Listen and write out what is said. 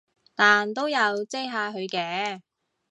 但都有遮下佢嘅